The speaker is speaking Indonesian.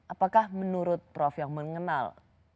apakah menurut prof yang mengenal